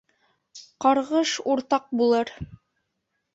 Ҡарғыш уртаҡ булыр.